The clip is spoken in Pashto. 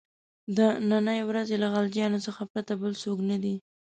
د نني ورځې له غلجیانو څخه پرته بل څوک نه دي.